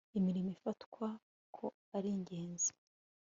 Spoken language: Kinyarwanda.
imirimo ifatwa ko ari ingenzi